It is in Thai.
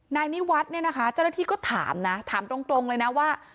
นายนิวัฒน์เจ้าหน้าที่ก็ถามนะถามตรงเลยนะว่า